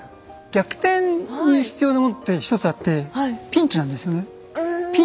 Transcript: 逆転に必要なものって一つあってピンチなんですよね。